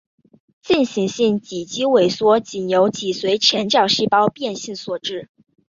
进行性脊肌萎缩仅由脊髓前角细胞变性所致。